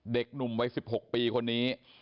เด็กหนุ่มวัย๑๖ปีคนนี้